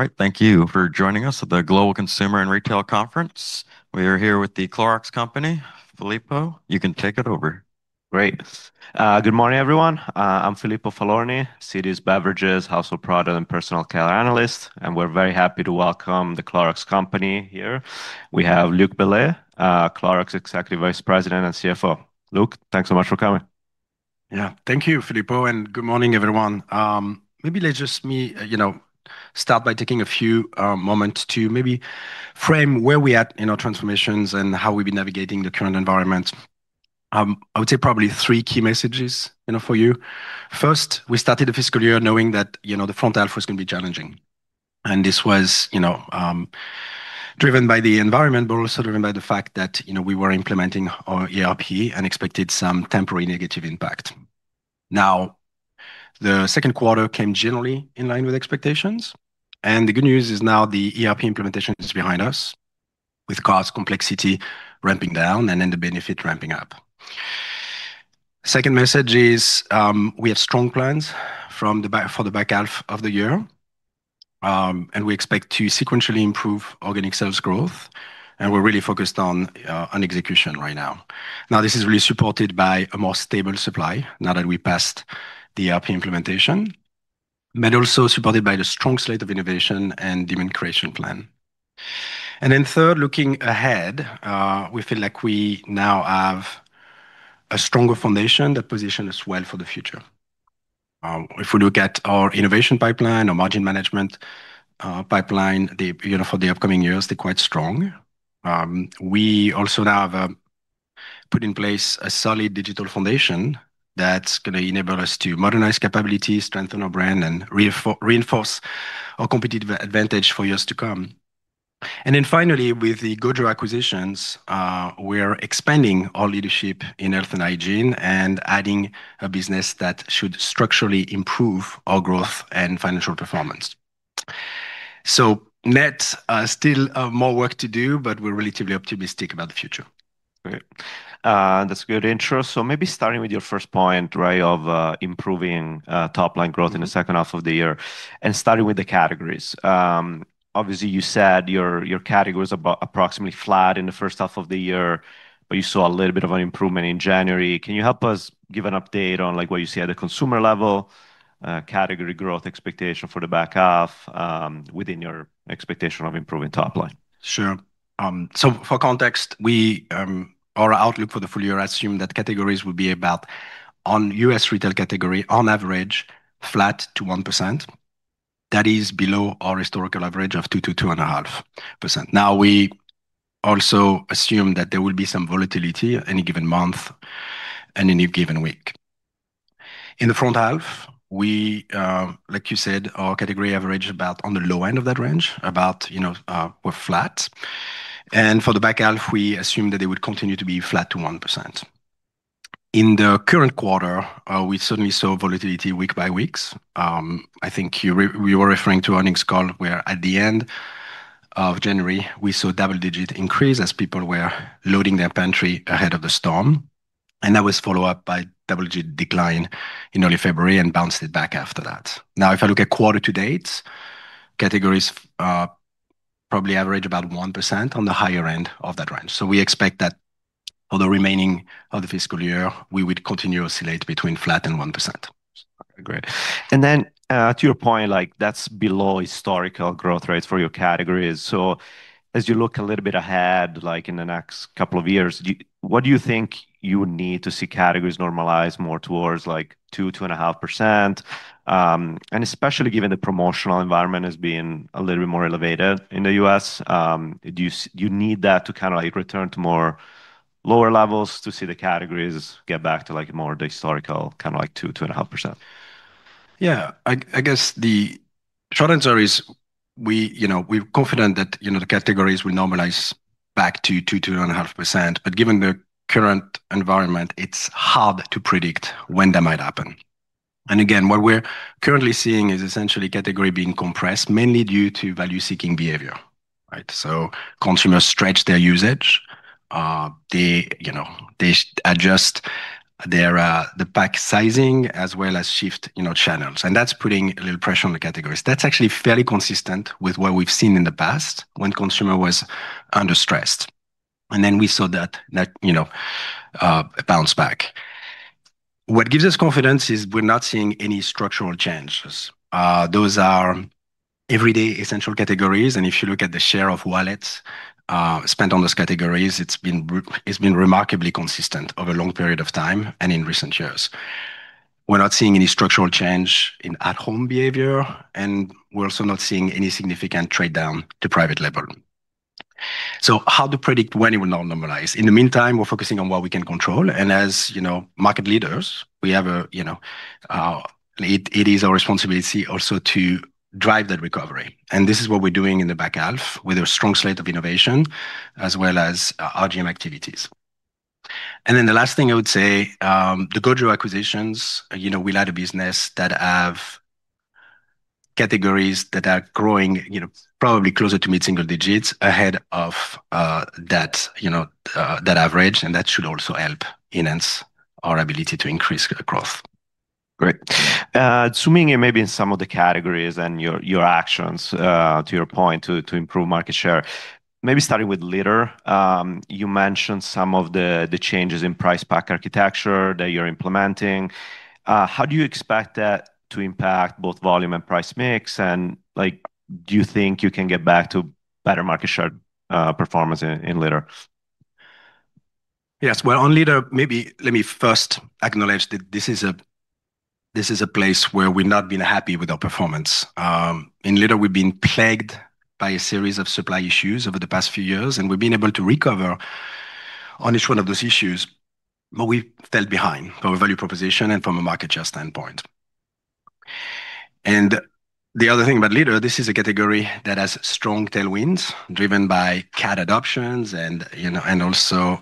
All right. Thank you for joining us at the Citi Global Consumer & Retail Conference. We are here with The Clorox Company. Filippo, you can take it over. Great. Good morning, everyone. I'm Filippo Falorni, Citi's Beverages, Household Product and Personal Care Analyst, and we're very happy to welcome The Clorox Company here. We have Luc Bellet, Clorox Executive Vice President and CFO. Luc, thanks so much for coming. Yeah. Thank you, Filippo. Good morning, everyone. Maybe let's just me, you know, start by taking a few moments to maybe frame where we at in our transformations and how we've been navigating the current environment. I would say probably three key messages, you know, for you. First, we started the fiscal year knowing that, you know, the front half was gonna be challenging. This was, you know, driven by the environment, also driven by the fact that, you know, we were implementing our ERP and expected some temporary negative impact. Now, the second quarter came generally in line with expectations. The good news is now the ERP implementation is behind us with cost complexity ramping down and then the benefit ramping up. Second message is, we have strong plans for the back half of the year. We expect to sequentially improve organic sales growth, and we're really focused on execution right now. This is really supported by a more stable supply now that we passed the ERP implementation, but also supported by the strong slate of innovation and demand creation plan. Third, looking ahead, we feel like we now have a stronger foundation that positions us well for the future. If we look at our innovation pipeline, our margin management pipeline, you know, for the upcoming years, they're quite strong. We also now have put in place a solid digital foundation that's going to enable us to modernize capabilities, strengthen our brand, and reinforce our competitive advantage for years to come. Finally, with the GOJO acquisitions, we are expanding our leadership in health and hygiene and adding a business that should structurally improve our growth and financial performance. Net, still, more work to do, but we're relatively optimistic about the future. Great. That's a good intro. Maybe starting with your first point, right, of improving top line growth in the second half of the year and starting with the categories. Obviously, you said your category was approximately flat in the first half of the year, but you saw a little bit of an improvement in January. Can you help us give an update on, like, what you see at a consumer level, category growth expectation for the back half, within your expectation of improving top line? Sure. For context, we, our outlook for the full year assume that categories will be about on U.S. retail category, on average, flat to 1%. That is below our historical average of 2%-2.5%. We also assume that there will be some volatility any given month and any given week. In the front half, we, like you said, our category average about on the low end of that range, about, you know, we're flat. For the back half, we assume that they would continue to be flat to 1%. In the current quarter, we certainly saw volatility week by weeks. I think you were referring to earnings call, where at the end of January, we saw double-digit increase as people were loading their pantry ahead of the storm. That was followed up by double-digit decline in early February and bounced it back after that. If I look at quarter to date, categories probably average about 1% on the higher end of that range. We expect that for the remaining of the fiscal year, we would continue to oscillate between flat and 1%. Great. Then, to your point, like that's below historical growth rates for your categories. As you look a little bit ahead, like in the next couple of years, what do you think you would need to see categories normalize more towards like 2.5%? Especially given the promotional environment as being a little bit more elevated in the U.S., do you need that to kind of like return to more lower levels to see the categories get back to like more the historical kind of like 2.5%? I guess the short answer is we, you know, we're confident that, you know, the categories will normalize back to 2.5%. Given the current environment, it's hard to predict when that might happen. Again, what we're currently seeing is essentially category being compressed mainly due to value-seeking behavior, right? Consumers stretch their usage. They, you know, they adjust their, the pack sizing as well as shift, you know, channels. That's putting a little pressure on the categories. That's actually fairly consistent with what we've seen in the past when consumer was under stressed. Then we saw that, you know, bounce back. What gives us confidence is we're not seeing any structural changes. those are everyday essential categories, and if you look at the share of wallets, spent on those categories, it's been remarkably consistent over a long period of time and in recent years. We're not seeing any structural change in at-home behavior, and we're also not seeing any significant trade-down to private label. Hard to predict when it will now normalize. In the meantime, we're focusing on what we can control. As you know, market leaders, we have a, you know, it is our responsibility also to drive that recovery. This is what we're doing in the back half with a strong slate of innovation as well as RGM activities. Then the last thing I would say, the Gojo acquisitions, you know, we'll add a business that have categories that are growing, you know, probably closer to mid-single digits ahead of that, you know, that average, and that should also help enhance our ability to increase growth. Great. Zooming in maybe in some of the categories and your actions, to your point, to improve market share, maybe starting with litter. You mentioned some of the changes in price pack architecture that you're implementing. How do you expect that to impact both volume and price mix, and, like, do you think you can get back to better market share performance in litter? Yes. Well, on litter, maybe let me first acknowledge that this is a place where we've not been happy with our performance. In litter we've been plagued by a series of supply issues over the past few years, and we've been able to recover on each one of those issues, but we've fell behind from a value proposition and from a market share standpoint. The other thing about litter, this is a category that has strong tailwinds driven by cat adoptions and, you know, and also,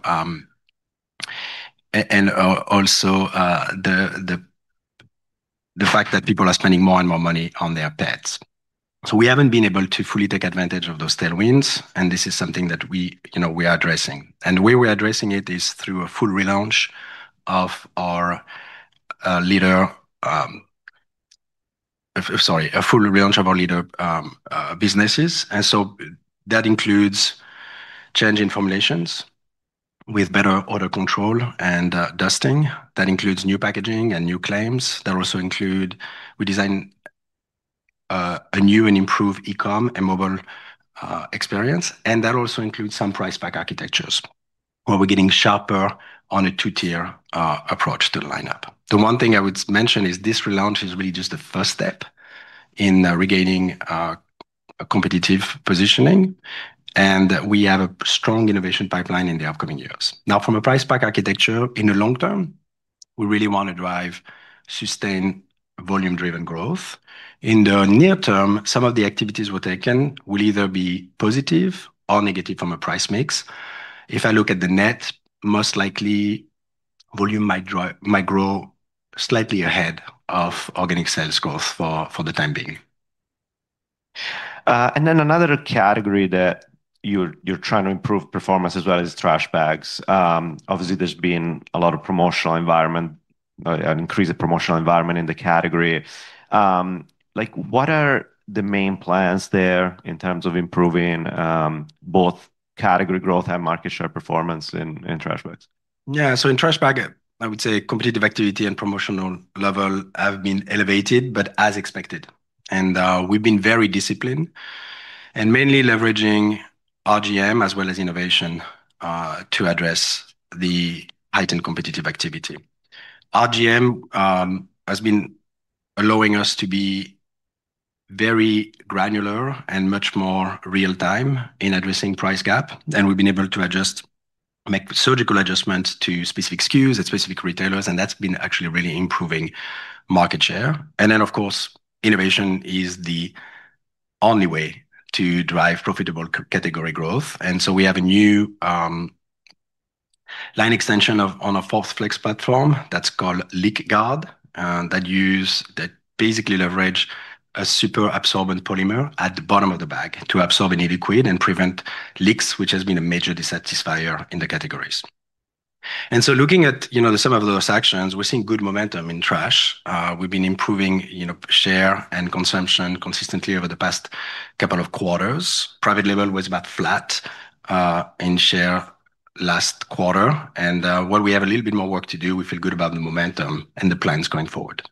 the fact that people are spending more and more money on their pets. We haven't been able to fully take advantage of those tailwinds, and this is something that we, you know, we are addressing. The way we're addressing it is through a full relaunch of our litter. Sorry, a full relaunch of our litter, businesses. That includes change in formulations with better odor control and dusting. That includes new packaging and new claims. That also include, we design a new and improved e-com and mobile experience, and that also includes some price pack architectures where we're getting sharper on a two-tier approach to the lineup. The one thing I would mention is this relaunch is really just the first step in regaining a competitive positioning. We have a strong innovation pipeline in the upcoming years. From a price pack architecture, in the long term, we really wanna drive sustained volume-driven growth. In the near term, some of the activities we've taken will either be positive or negative from a price mix. I look at the net, most likely volume might grow slightly ahead of organic sales growth for the time being. Another category that you're trying to improve performance as well is trash bags. Obviously there's been a lot of promotional environment, an increased promotional environment in the category. Like, what are the main plans there in terms of improving both category growth and market share performance in trash bags? Yeah. In trash bag, I would say competitive activity and promotional level have been elevated, but as expected. We've been very disciplined and mainly leveraging RGM as well as innovation to address the heightened competitive activity. RGM has been allowing us to be very granular and much more real time in addressing price gap, and we've been able to adjust, make surgical adjustments to specific SKUs at specific retailers, and that's been actually really improving market share. Of course, innovation is the only way to drive profitable category growth. We have a new line extension on a ForceFlex platform that's called LeakGuard that basically leverage a super absorbent polymer at the bottom of the bag to absorb any liquid and prevent leaks, which has been a major dissatisfier in the categories. Looking at, you know, the sum of those actions, we're seeing good momentum in trash. We've been improving, you know, share and consumption consistently over the past couple of quarters. Private label was about flat in share last quarter. While we have a little bit more work to do, we feel good about the momentum and the plans going forward.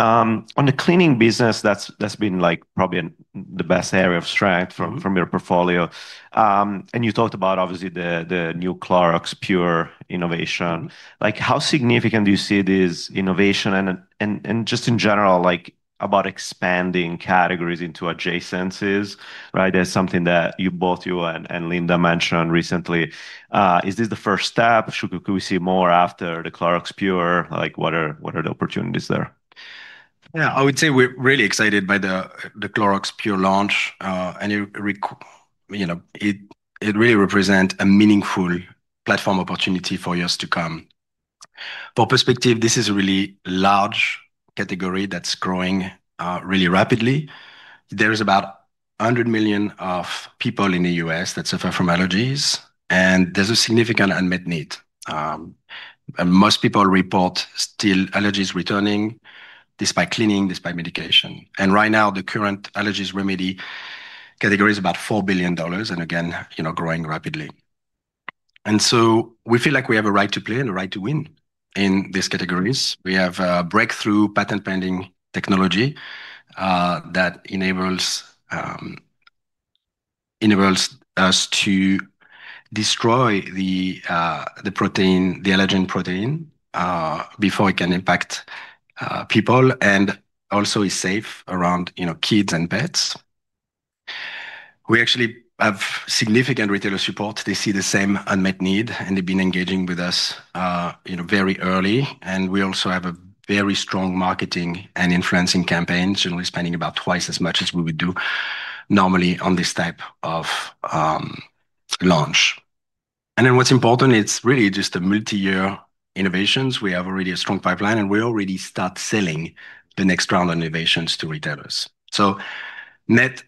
On the cleaning business, that's been, like, probably the best area of strength from your portfolio. You talked about obviously the new Clorox PURE innovation. Like, how significant do you see this innovation and just in general, like, about expanding categories into adjacencies, right? That's something that both you and Linda mentioned recently. Is this the first step? Could we see more after the Clorox PURE? Like, what are the opportunities there? Yeah. I would say we're really excited by the Clorox PURE launch. you know, it really represent a meaningful platform opportunity for years to come. For perspective, this is a really large category that's growing really rapidly. There is about 100 million people in the U.S. that suffer from allergies, and there's a significant unmet need. Most people report still allergies returning despite cleaning, despite medication. Right now, the current allergies remedy category is about $4 billion and again, you know, growing rapidly. We feel like we have a right to play and a right to win in these categories. We have a breakthrough patent-pending technology that enables us to destroy the protein, the allergen protein, before it can impact people and also is safe around, you know, kids and pets. We actually have significant retailer support. They see the same unmet need, and they've been engaging with us, you know, very early, and we also have a very strong marketing and influencing campaigns, generally spending about twice as much as we would do normally on this type of launch. What's important, it's really just a multi-year innovations. We have already a strong pipeline, and we already start selling the next round of innovations to retailers. Net,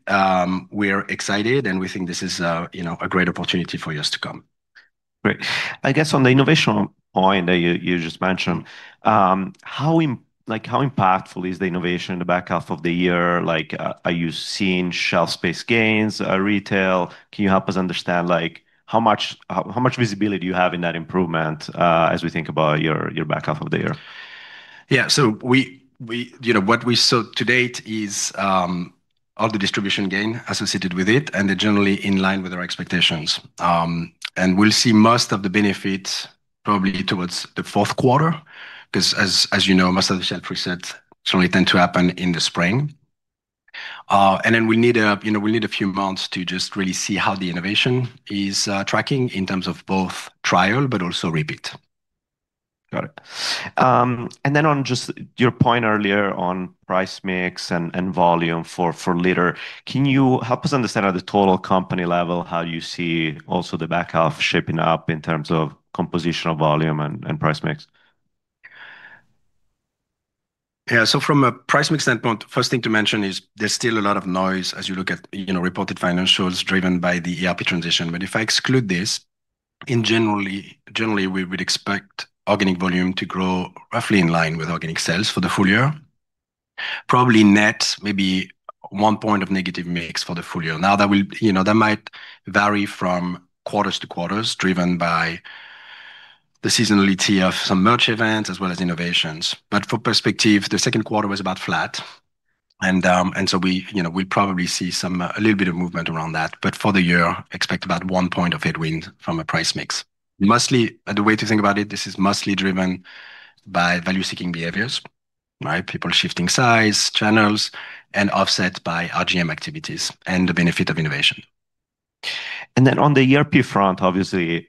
we're excited, and we think this is, you know, a great opportunity for years to come. Great. I guess on the innovation point that you just mentioned, how impactful is the innovation in the back half of the year? Are you seeing shelf space gains at retail? Can you help us understand, like, how much visibility you have in that improvement as we think about your back half of the year? Yeah. We, you know, what we saw to date is all the distribution gain associated with it, and they're generally in line with our expectations. We'll see most of the benefit probably towards the fourth quarter, 'cause as you know, most of the shelf resets sort of tend to happen in the spring. We need, you know, a few months to just really see how the innovation is tracking in terms of both trial but also repeat. Got it. Then on just your point earlier on price mix and volume for liter, can you help us understand at the total company level how you see also the back half shaping up in terms of composition of volume and price mix? Yeah. From a price mix standpoint, first thing to mention is there's still a lot of noise as you look at, you know, reported financials driven by the ERP transition. If I exclude this, generally we would expect organic volume to grow roughly in line with organic sales for the full year. Probably net maybe 1 point of negative mix for the full year. You know, that might vary from quarters to quarters, driven by the seasonality of some merch events as well as innovations. For perspective, the second quarter was about flat, we, you know, we'll probably see some, a little bit of movement around that. For the year, expect about 1 point of headwind from a price mix. Mostly, the way to think about it, this is mostly driven by value-seeking behaviors, right? People shifting size, channels, and offset by RGM activities and the benefit of innovation. On the ERP front, obviously it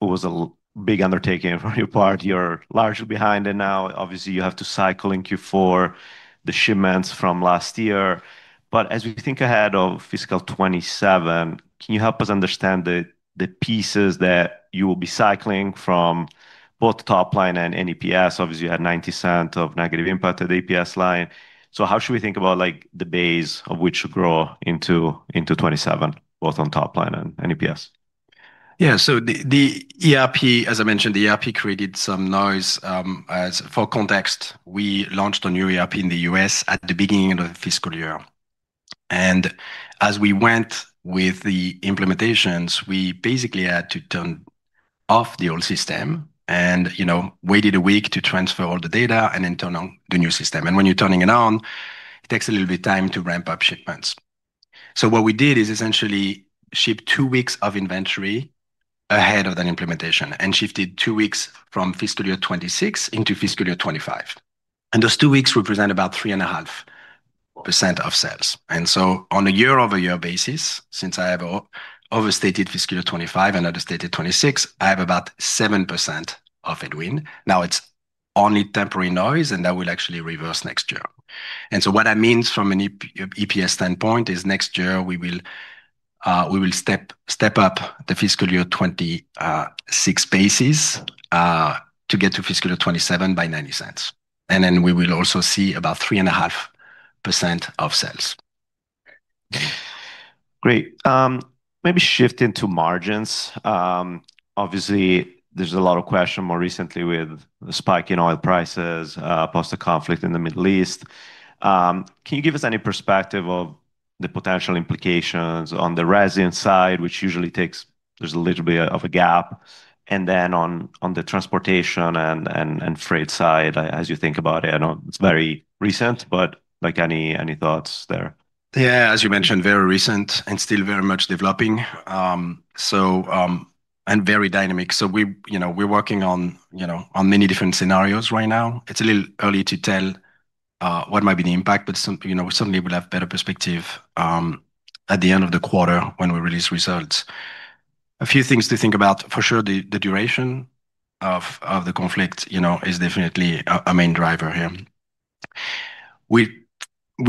was a big undertaking from your part. You're largely behind it now. Obviously, you have to cycle in Q4 the shipments from last year. As we think ahead of fiscal 2027, can you help us understand the pieces that you will be cycling from both top line and EPS? Obviously, you had $0.90 of negative impact to the EPS line. How should we think about, like, the base of which to grow into 2027, both on top line and EPS? Yeah. The ERP, as I mentioned, the ERP created some noise. For context, we launched a new ERP in the U.S. at the beginning of the fiscal year. As we went with the implementations, we basically had to turn off the old system and, you know, waited a week to transfer all the data and then turn on the new system. When you're turning it on, it takes a little bit of time to ramp up shipments. What we did is essentially ship two weeks of inventory ahead of that implementation and shifted 2 weeks from fiscal year 2026 into fiscal year 2025, and those two weeks represent about 3.5% of sales. On a year-over-year basis, since I have overstated fiscal year 2025 and understated 2026, I have about 7% of headwind. Now, it's only temporary noise, and that will actually reverse next year. What that means from an EPS standpoint is next year we will step up the fiscal year 2026 bases to get to fiscal year 2027 by $0.90. We will also see about 3.5% of sales. Great. Maybe shift into margins. Obviously there's a lot of question more recently with the spike in oil prices, plus the conflict in the Middle East. Can you give us any perspective of the potential implications on the resin side, which usually takes there's a little bit of a gap, and then on the transportation and freight side as you think about it? I know it's very recent, but, like, any thoughts there? As you mentioned, very recent and still very much developing, and very dynamic. We, you know, we're working on, you know, on many different scenarios right now. It's a little early to tell what might be the impact, but some, you know, certainly we'll have better perspective at the end of the quarter when we release results. A few things to think about, for sure the duration of the conflict, you know, is definitely a main driver here. We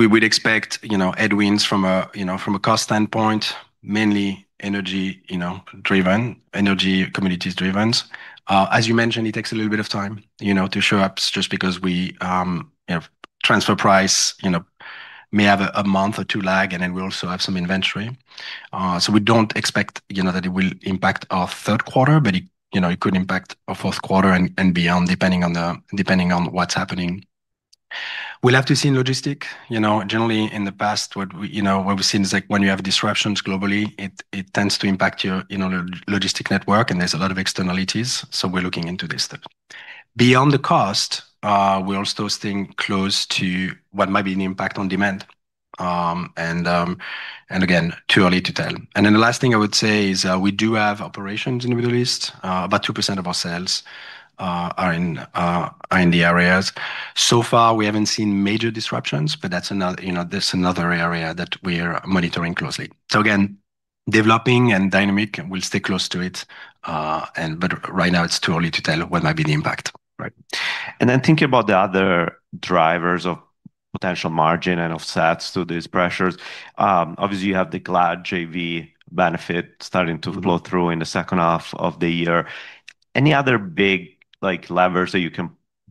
would expect, you know, headwinds from a, you know, from a cost standpoint, mainly energy, you know, driven, energy commodities driven. As you mentioned, it takes a little bit of time, you know, to show up just because we, you know, transfer price, you know, may have a month or two lag, and then we also have some inventory. We don't expect, you know, that it will impact our third quarter, but it, you know, it could impact our fourth quarter and beyond, depending on what's happening. We'll have to see in logistic. You know, generally in the past, what we, you know, what we've seen is like when you have disruptions globally, it tends to impact your, you know, logistic network, and there's a lot of externalities. We're looking into this stuff. Beyond the cost, we're also staying close to what might be an impact on demand. And again, too early to tell. The last thing I would say is, we do have operations in the Middle East. About 2% of our sales are in the areas. So far we haven't seen major disruptions, but that's, you know, another area that we're monitoring closely. Again, developing and dynamic, we'll stay close to it, but right now it's too early to tell what might be the impact. Right. Thinking about the other drivers of potential margin and offsets to these pressures, obviously you have the Glad JV benefit starting to flow through in the second half of the year. Any other big, like, levers that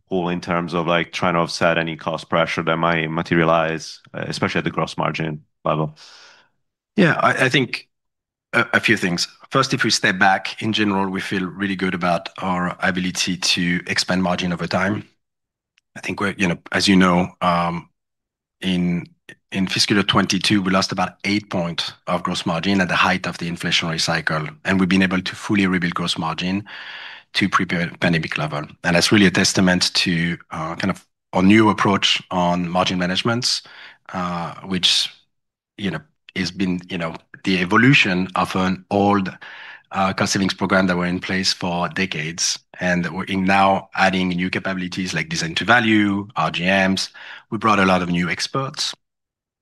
All in terms of, like, trying to offset any cost pressure that might materialize, especially at the gross margin level. Yeah. I think a few things. First, if we step back, in general, we feel really good about our ability to expand margin over time. I think we're, you know, as you know, in fiscal 2022, we lost about eight point of gross margin at the height of the inflationary cycle, and we've been able to fully rebuild gross margin to pre-pandemic level. That's really a testament to, kind of our new approach on margin management, which, you know, has been, you know, the evolution of an old, cost savings program that were in place for decades, and that we're now adding new capabilities like Design to Value, RGMs. We brought a lot of new experts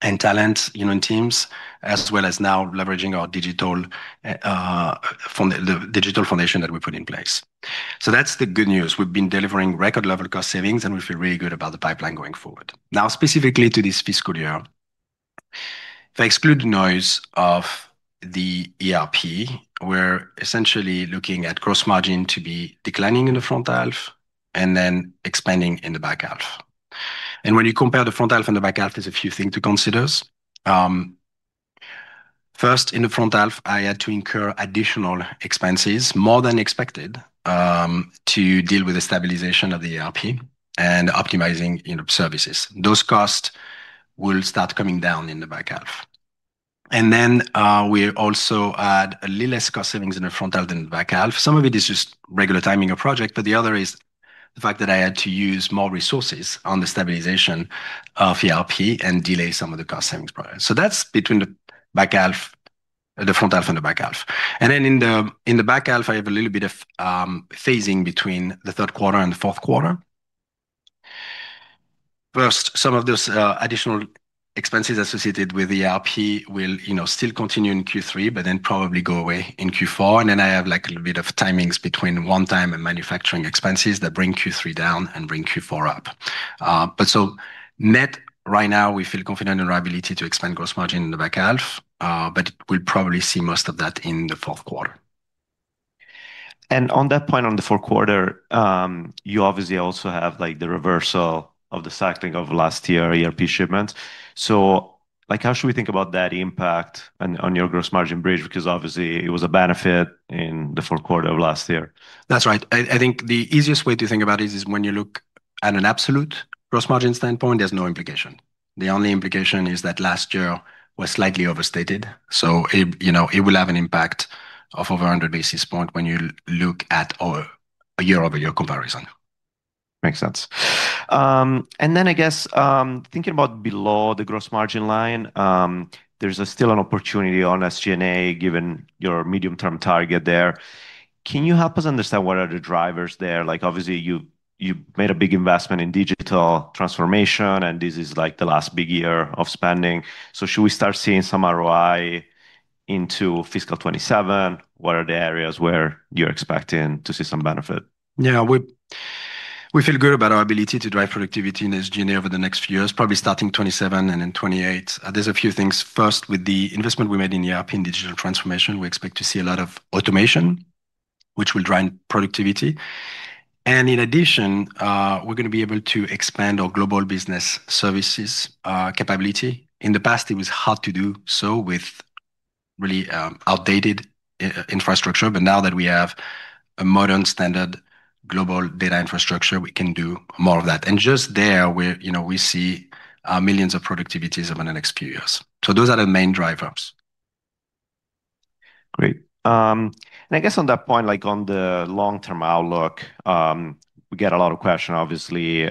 and talent, you know, and teams, as well as now leveraging our digital, the digital foundation that we put in place. That's the good news. We've been delivering record level cost savings, and we feel really good about the pipeline going forward. Specifically to this fiscal year, if I exclude the noise of the ERP, we're essentially looking at gross margin to be declining in the front half and then expanding in the back half. When you compare the front half and the back half, there's a few things to consider. First, in the front half, I had to incur additional expenses, more than expected, to deal with the stabilization of the ERP and optimizing, you know, services. Those costs will start coming down in the back half. Then, we also had a little less cost savings in the front half than the back half. Some of it is just regular timing of project, the other is the fact that I had to use more resources on the stabilization of ERP and delay some of the cost savings projects. That's between the front half and the back half. Then in the back half, I have a little bit of phasing between the third quarter and the fourth quarter. First, some of those additional expenses associated with the ERP will, you know, still continue in Q3, then probably go away in Q4. Then I have, like, a little bit of timings between one time and manufacturing expenses that bring Q3 down and bring Q4 up. Net right now, we feel confident in our ability to expand gross margin in the back half, but we'll probably see most of that in the fourth quarter. On that point, on the fourth quarter, you obviously also have, like, the reversal of the cycling of last year ERP shipments. Like, how should we think about that impact on your gross margin bridge? Because obviously it was a benefit in the fourth quarter of last year. That's right. I think the easiest way to think about it is when you look at an absolute gross margin standpoint, there's no implication. The only implication is that last year was slightly overstated. It, you know, it will have an impact of over 100 basis points when you look at a year-over-year comparison. Makes sense. I guess, thinking about below the gross margin line, there's still an opportunity on SG&A, given your medium-term target there. Can you help us understand what are the drivers there? Like obviously, you've made a big investment in digital transformation, and this is like the last big year of spending. Should we start seeing some ROI into fiscal 2027? What are the areas where you're expecting to see some benefit? Yeah. We feel good about our ability to drive productivity in SG&A over the next few years, probably starting 2027 and in 2028. There's a few things. First, with the investment we made in the ERP in digital transformation, we expect to see a lot of automation, which will drive productivity. In addition, we're gonna be able to expand our global business services capability. In the past, it was hard to do so with really outdated infrastructure, now that we have a modern standard global data infrastructure, we can do more of that. Just there you know, we see millions of productivities over the next few years. Those are the main drivers. Great. I guess on that point, like on the long-term outlook, we get a lot of question obviously,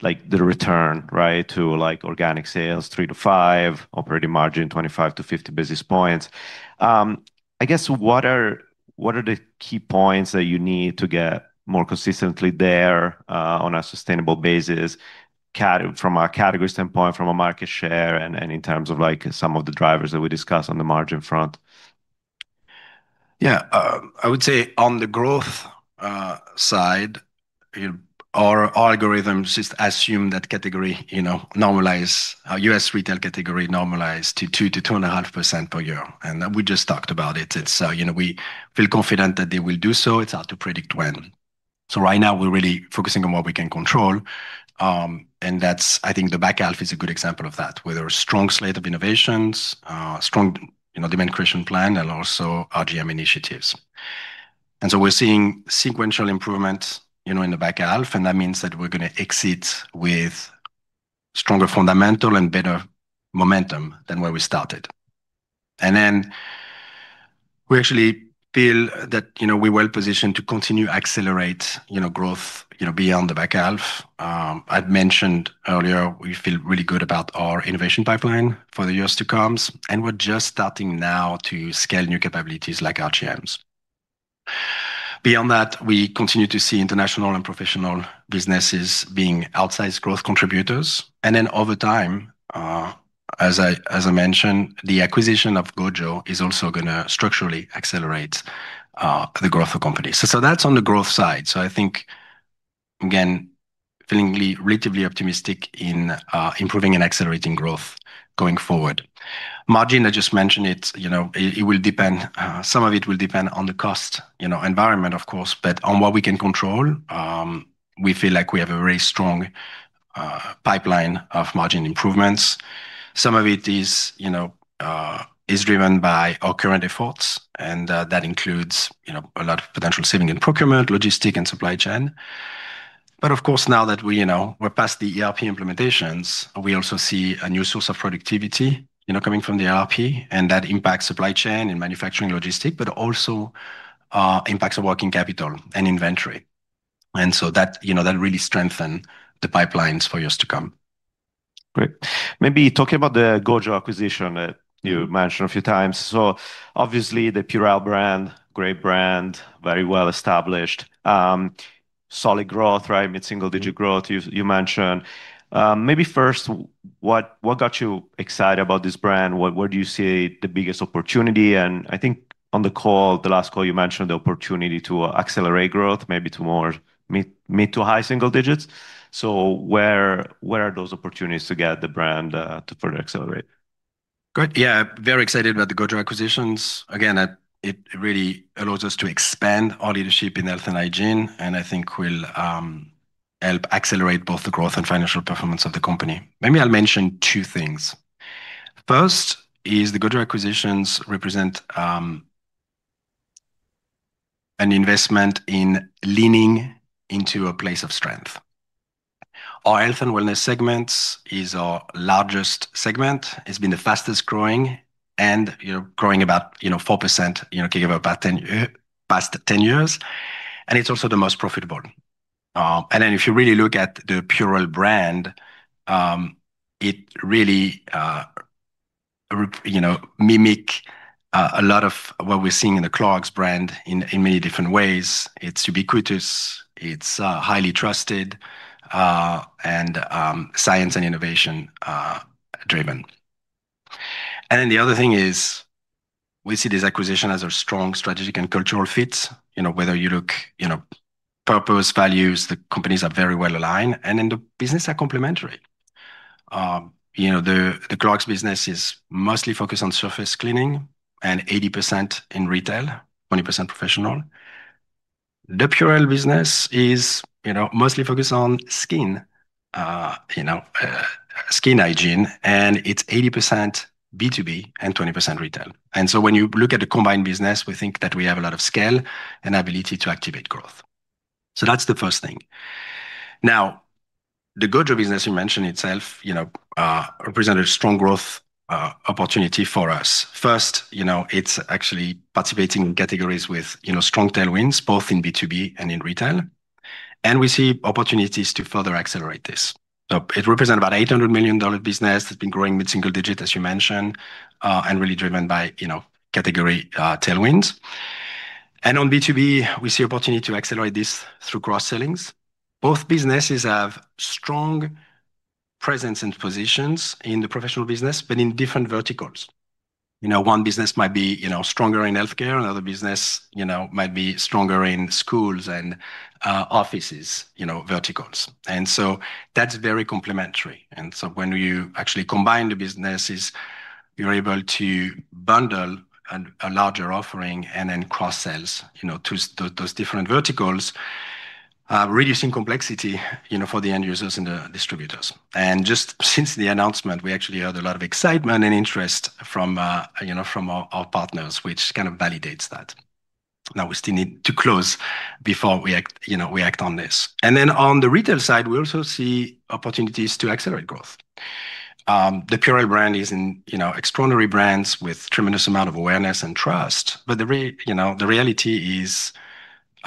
like the return, right? To like organic sales, 3%-5%, operating margin, 25-50 basis points. I guess what are the key points that you need to get more consistently there, on a sustainable basis from a category standpoint, from a market share, and in terms of like some of the drivers that we discussed on the margin front? Yeah. I would say on the growth side, you know, our algorithms just assume that category, you know, our U.S. retail category normalize to 2% to 2.5% per year. We just talked about it. It's, you know, we feel confident that they will do so. It's hard to predict when. Right now we're really focusing on what we can control, and I think the back half is a good example of that, where there are strong slate of innovations, strong, you know, demand creation plan and also RGM initiatives. We're seeing sequential improvement, you know, in the back half, and that means that we're gonna exit with stronger fundamental and better momentum than where we started. We actually feel that, you know, we're well positioned to continue accelerate, you know, growth, you know, beyond the back half. I'd mentioned earlier we feel really good about our innovation pipeline for the years to comes, and we're just starting now to scale new capabilities like RGMs. Beyond that, we continue to see international and professional businesses being outsized growth contributors. Over time, as I, as I mentioned, the acquisition of GOJO is also gonna structurally accelerate the growth of companies. So that's on the growth side. I think, Feeling relatively optimistic in improving and accelerating growth going forward. Margin, I just mentioned it, you know, it will depend, some of it will depend on the cost, you know, environment, of course. On what we can control, we feel like we have a very strong pipeline of margin improvements. Some of it is, you know, is driven by our current efforts, and that includes, you know, a lot of potential saving in procurement, logistics and supply chain. Of course, now that we, you know, we're past the ERP implementations, we also see a new source of productivity, you know, coming from the ERP, and that impacts supply chain and manufacturing logistics, but also impacts our working capital and inventory. That, you know, that really strengthen the pipelines for years to come. Great. Maybe talking about the Gojo acquisition that you mentioned a few times. Obviously, the Purell brand, great brand, very well established. Solid growth, right? Mid-single digit growth, you mentioned. Maybe first, what got you excited about this brand? Where do you see the biggest opportunity? And I think on the call, the last call, you mentioned the opportunity to accelerate growth maybe to more mid-to-high single digits. Where are those opportunities to get the brand to further accelerate? Good. Yeah. Very excited about the GOJO acquisitions. Again, that it really allows us to expand our leadership in health and hygiene, and I think will help accelerate both the growth and financial performance of the company. Maybe I'll mention two things. First is the GOJO acquisitions represent an investment in leaning into a place of strength. Our health and wellness segment is our largest segment. It's been the fastest-growing and, you know, growing about 4% gig over about past 10 years, and it's also the most profitable. Then if you really look at the Purell brand, it really, you know, mimic a lot of what we're seeing in the Clorox brand in many different ways. It's ubiquitous, it's highly trusted, and science and innovation driven. The other thing is we see this acquisition as a strong strategic and cultural fit. You know, whether you look, you know, purpose, values, the companies are very well aligned, and then the business are complementary. You know, the Clorox business is mostly focused on surface cleaning and 80% in retail, 20% professional. The Purell business is, you know, mostly focused on skin, you know, skin hygiene, and it's 80% B2B and 20% retail. When you look at the combined business, we think that we have a lot of scale and ability to activate growth. That's the first thing. Now, the GOJO business you mentioned itself, you know, represented a strong growth opportunity for us. First, you know, it's actually participating in categories with, you know, strong tailwinds, both in B2B and in retail. We see opportunities to further accelerate this. It represents about $800 million business that's been growing mid-single digit, as you mentioned, and really driven by, you know, category tailwinds. On B2B, we see opportunity to accelerate this through cross-sellings. Both businesses have strong presence and positions in the professional business, in different verticals. You know, one business might be, you know, stronger in healthcare, another business, you know, might be stronger in schools and offices, you know, verticals. That's very complementary. When you actually combine the businesses, you're able to bundle a larger offering and then cross-sells, you know, to those different verticals, reducing complexity, you know, for the end users and the distributors. Just since the announcement, we actually heard a lot of excitement and interest from, you know, from our partners, which kind of validates that. Now, we still need to close before we act on this. On the retail side, we also see opportunities to accelerate growth. The Purell brand is in, you know, extraordinary brands with tremendous amount of awareness and trust. The reality is,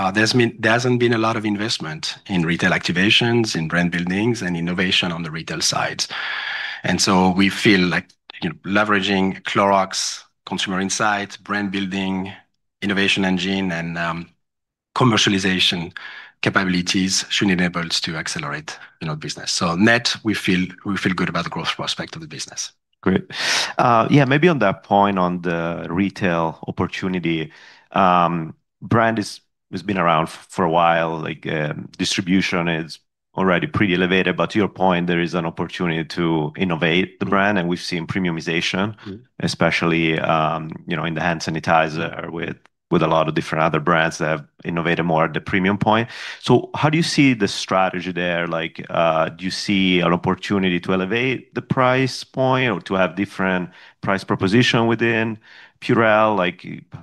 there hasn't been a lot of investment in retail activations, in brand buildings and innovation on the retail side. We feel like, you know, leveraging Clorox consumer insight, brand building, innovation engine and commercialization capabilities should enable us to accelerate, you know, business. Net, we feel good about the growth prospect of the business. Great. Yeah, maybe on that point on the retail opportunity, brand is, has been around for a while, like, distribution is already pretty elevated. To your point, there is an opportunity to innovate the brand, and we've seen premiumization. Mm-hmm... especially, you know, in the hand sanitizer with a lot of different other brands that have innovated more at the premium point. How do you see the strategy there? Like, do you see an opportunity to elevate the price point or to have different price proposition within PURELL? Like,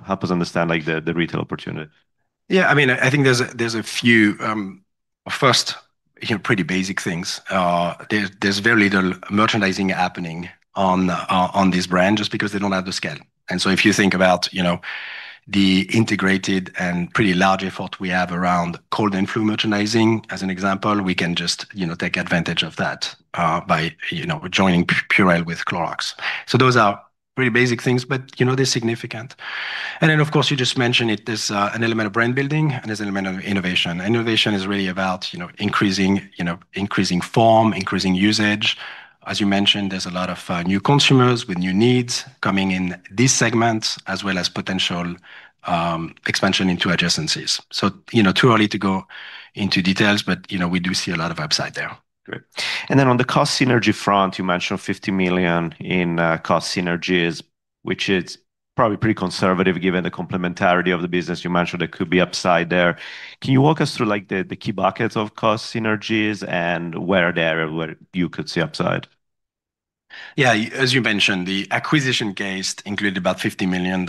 help us understand like the retail opportunity. I mean, I think there's a few, first, you know, pretty basic things. There's very little merchandising happening on this brand just because they don't have the scale. If you think about, you know, the integrated and pretty large effort we have around cold and flu merchandising, as an example, we can just, you know, take advantage of that by, you know, joining Purell with Clorox. Those are pretty basic things, but, you know, they're significant. Of course, you just mentioned it, there's an element of brand building and there's an element of innovation. Innovation is really about, you know, increasing, you know, increasing form, increasing usage. As you mentioned, there's a lot of new consumers with new needs coming in these segments, as well as potential expansion into adjacencies. You know, too early to go into details, but, you know, we do see a lot of upside there. Great. On the cost synergy front, you mentioned $50 million in cost synergies, which is probably pretty conservative given the complementarity of the business. You mentioned there could be upside there. Can you walk us through, like, the key buckets of cost synergies and where you could see upside? Yeah. As you mentioned, the acquisition gains include about $50 million.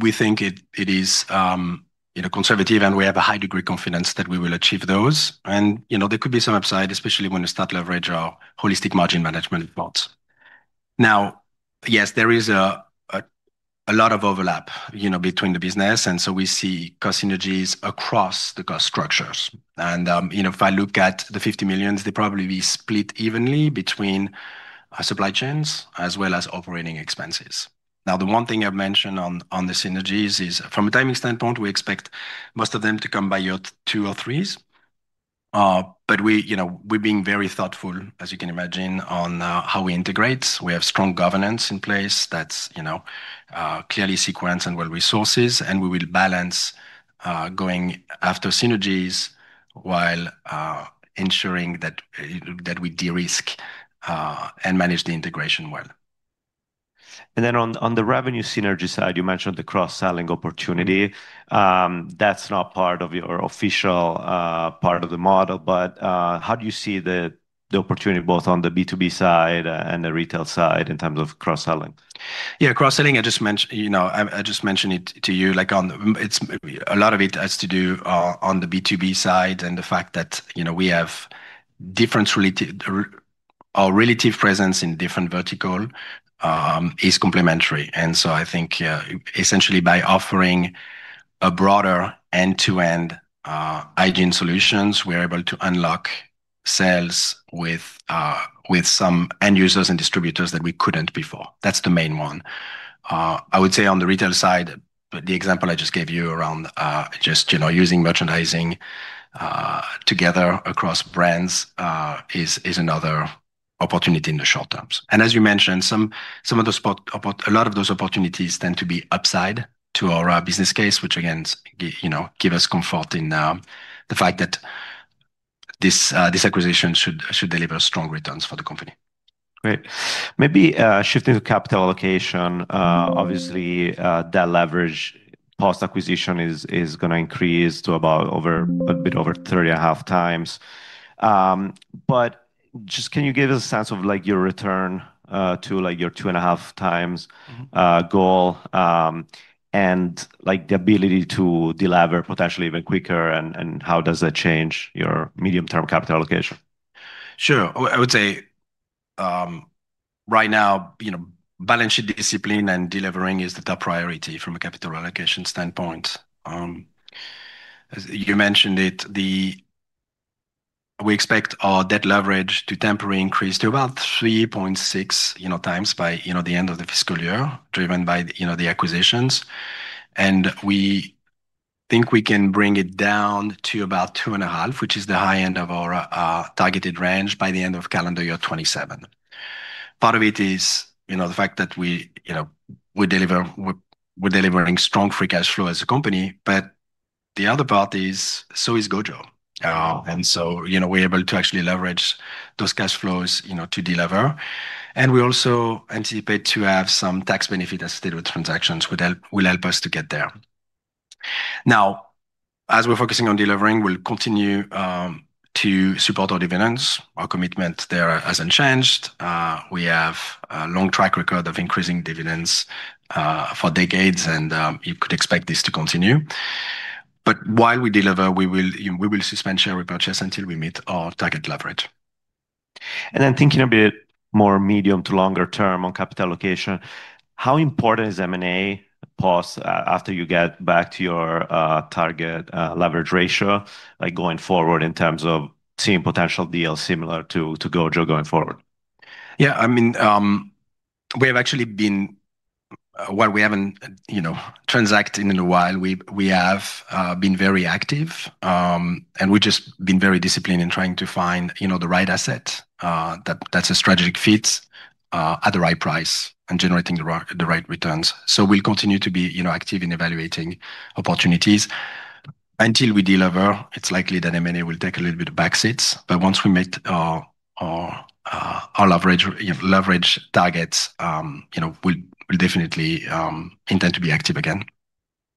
We think it is, you know, conservative, and we have a high degree confidence that we will achieve those. You know, there could be some upside, especially when you start to leverage our holistic margin management approach. Now, yes, there is a lot of overlap, you know, between the business, and so we see cost synergies across the cost structures. You know, if I look at the $50 million, they'd probably be split evenly between supply chains as well as operating expenses. Now, the one thing I've mentioned on the synergies is from a timing standpoint, we expect most of them to come by year two or three. We, you know, we're being very thoughtful, as you can imagine, on how we integrate. We have strong governance in place that's, you know, clearly sequenced and well-resourced. We will balance going after synergies while ensuring that we de-risk and manage the integration well. On the revenue synergy side, you mentioned the cross-selling opportunity. That's not part of your official part of the model, but how do you see the opportunity both on the B2B side and the retail side in terms of cross-selling? Yeah. Cross-selling, I just mentioned, you know, I just mentioned it to you, like, A lot of it has to do on the B2B side and the fact that, you know, we have different relative presence in different vertical is complementary. I think, yeah, essentially by offering a broader end-to-end hygiene solutions, we're able to unlock sales with some end users and distributors that we couldn't before. That's the main one. I would say on the retail side, the example I just gave you around just, you know, using merchandising together across brands is another opportunity in the short terms. As you mentioned, a lot of those opportunities tend to be upside to our business case, which again you know, give us comfort in the fact that this acquisition should deliver strong returns for the company. Great. Maybe shifting to capital allocation, obviously, debt leverage post-acquisition is gonna increase to a bit over 3.5x. Just can you give us a sense of, like, your return to, like, your 2.5x? Mm-hmm... goal, like, the ability to delever potentially even quicker, and how does that change your medium-term capital allocation? Sure. I would say, right now, you know, balance sheet discipline and delivering is the top priority from a capital allocation standpoint. As you mentioned it, We expect our debt leverage to temporarily increase to about 3.6x, you know, times by, you know, the end of the fiscal year, driven by, you know, the acquisitions. We think we can bring it down to about 2.5x, which is the high end of our targeted range by the end of calendar year 2027. Part of it is, you know, the fact that we, you know, we're delivering strong free cash flow as a company, but the other part is, so is GOJO. Oh. You know, we're able to actually leverage those cash flows, you know, to delever. We also anticipate to have some tax benefit as deal with transactions will help us to get there. Now, as we're focusing on delivering, we'll continue to support our dividends. Our commitment there hasn't changed. We have a long track record of increasing dividends for decades, and you could expect this to continue. While we deliver, we will, you know, we will suspend share repurchase until we meet our target leverage. Thinking a bit more medium to longer term on capital allocation, how important is M&A post, after you get back to your, target, leverage ratio, like, going forward in terms of seeing potential deals similar to Gojo going forward? Yeah. I mean, we have actually While we haven't, you know, transacted in a while, we have been very active, and we've just been very disciplined in trying to find, you know, the right asset, that's a strategic fit, at the right price and generating the right returns. We'll continue to be, you know, active in evaluating opportunities. Until we delever, it's likely that M&A will take a little bit of back seats. Once we meet our, our leverage, you know, leverage targets, you know, we'll definitely intend to be active again.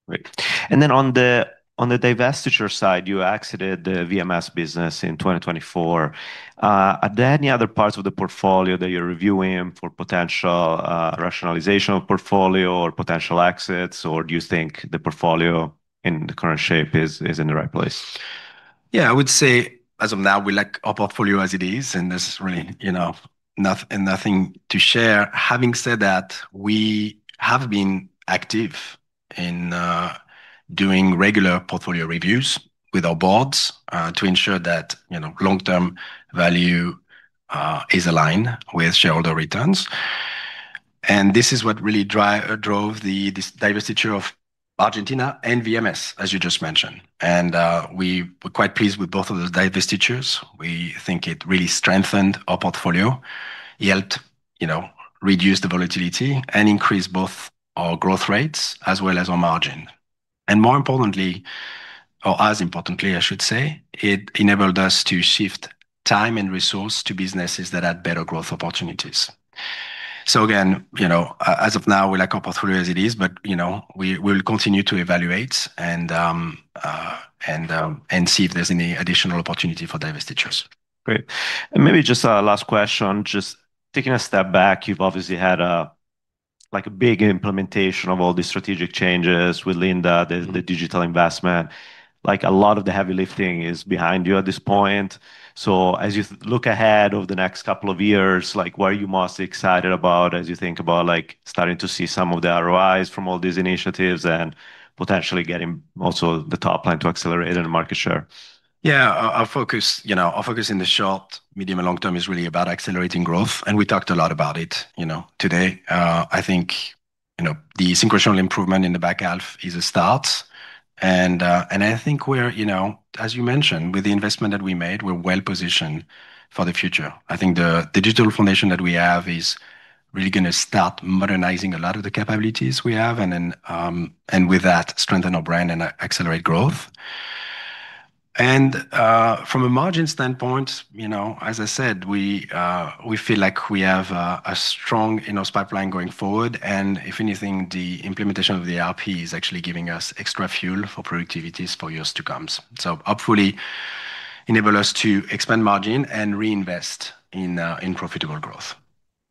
Great. On the, on the divestiture side, you exited the VMS business in 2024. Are there any other parts of the portfolio that you're reviewing for potential, rationalization of portfolio or potential exits, or do you think the portfolio in the current shape is in the right place? Yeah. I would say as of now, we like our portfolio as it is, and there's really, you know, nothing to share. Having said that, we have been active in doing regular portfolio reviews with our boards to ensure that, you know, long-term value is aligned with shareholder returns. This is what really drove the, this divestiture of Argentina and VMS, as you just mentioned. We were quite pleased with both of those divestitures. We think it really strengthened our portfolio, helped, you know, reduce the volatility and increase both our growth rates as well as our margin. More importantly, or as importantly, I should say, it enabled us to shift time and resource to businesses that had better growth opportunities. Again, you know, as of now, we like our portfolio as it is, but, you know, we'll continue to evaluate and see if there's any additional opportunity for divestitures. Great. Maybe just a last question, just taking a step back, you've obviously had a, like, a big implementation of all these strategic changes with Linda, the digital investment. Like, a lot of the heavy lifting is behind you at this point. As you look ahead over the next couple of years, like, what are you most excited about as you think about, like, starting to see some of the ROIs from all these initiatives and potentially getting also the top line to accelerate and market share? Yeah. Our focus, you know, our focus in the short, medium, and long term is really about accelerating growth, and we talked a lot about it, you know, today. I think, you know, the sequential improvement in the back half is a start. I think we're, you know, as you mentioned, with the investment that we made, we're well positioned for the future. I think the digital foundation that we have is really gonna start modernizing a lot of the capabilities we have, and then, and with that, strengthen our brand and accelerate growth. From a margin standpoint, you know, as I said, we feel like we have a strong, you know, pipeline going forward. If anything, the implementation of the ERP is actually giving us extra fuel for productivities for years to comes. Hopefully enable us to expand margin and reinvest in profitable growth.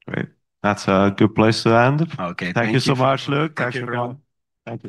Great. That's a good place to end. Okay. Thank you. Thank you so much, Luc. Thank you, Filippo. Thank you, everyone.